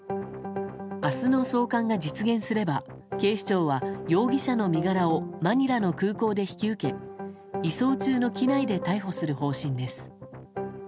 明日の送還が実現すれば警視庁は容疑者の身柄をマニラの空港で引き受け移送中の機内で逮捕する方針です。